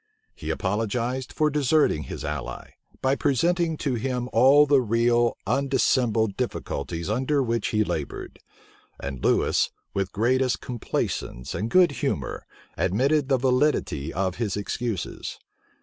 He apologized for deserting his ally, by representing to him all the real, undissembled difficulties under which he labored; and Lewis, with the greatest complaisance and good humor, admitted the validity of his excuses.